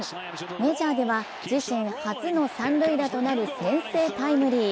メジャーでは自身初の三塁打となる先制タイムリー。